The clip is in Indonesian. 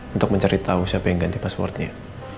untuk mencari tahu siapa yang ganti passwordnya